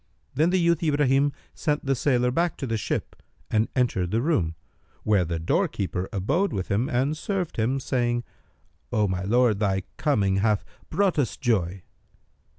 Then the youth Ibrahim sent the sailor back to the ship and entered the room, where the doorkeeper abode with him and served him, saying, "O my lord, thy coming hath brought us joy!"